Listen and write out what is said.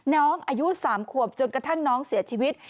อายุ๓ขวบจนกระทั่งน้องเสียชีวิต